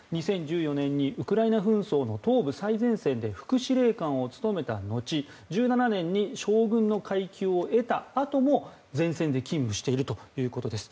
２０１４年にウクライナ紛争の東部最前線で副司令官を務めた後１７年に将軍の階級を得た後も前線で勤務しているということです。